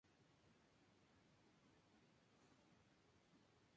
Su iglesia parroquial, actualmente en ruinas, estaba dedicada a san Martín.